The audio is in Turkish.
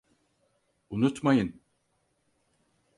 Unutmayın…